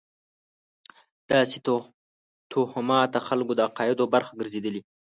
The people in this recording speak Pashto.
داسې توهمات د خلکو د عقایدو برخه ګرځېدلې.